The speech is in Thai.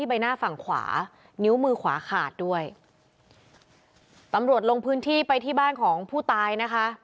ใบหน้าฝั่งขวานิ้วมือขวาขาดด้วยตำรวจลงพื้นที่ไปที่บ้านของผู้ตายนะคะ